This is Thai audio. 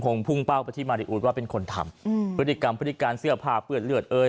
คงพุ่งเป้าไปที่มาริอุทธิ์ว่าเป็นคนทำอืมพฤถิกรรมพฤติการเสื้อผ้าเฟื่อเสื้อเรือดเตย